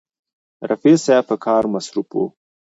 رفیع صاحب په کار مصروف و.